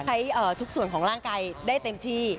ใช้ทุกส่วนของร่างกายได้เต็มที่